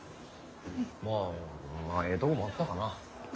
まあええとこもあったかな。